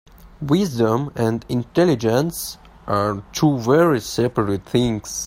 Wisdom and intelligence are two very seperate things.